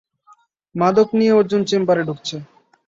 মাদক নিয়ে অর্জুন চেম্বারে ঢুকছে।